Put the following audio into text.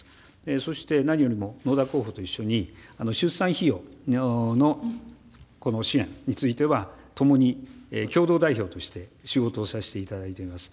そして何よりも、野田候補と一緒に、出産費用の支援については、共に共同代表として仕事をさせていただいています。